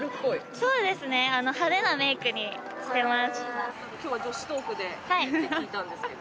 そうですね派手なメイクにしてます。